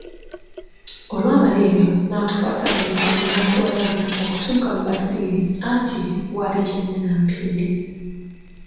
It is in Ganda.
Olwamala ebyo n'atukwata emikono n'atuwalabanya okutuuka mu bassiiri, anti waali kinnya na mpindi.